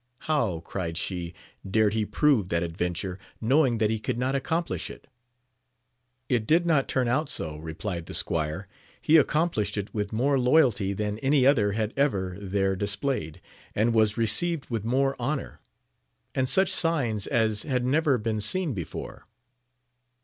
How, cried she, dared he prove that adventure, knowing that he could not accomplish it \ It did not turn out so, replied the squire ; he accomplished it with more loyalty than any other had ever there displayed, and was received with more honour, and such signs as had never been seen before.